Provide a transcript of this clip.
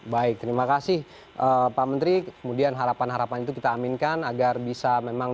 baik terima kasih pak menteri kemudian harapan harapan itu kita aminkan agar bisa memang